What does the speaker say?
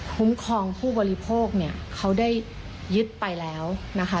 คุ้มครองผู้บริโภคเนี่ยเขาได้ยึดไปแล้วนะคะ